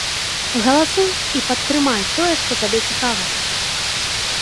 Галасуй і падтрымай тое, што табе цікава!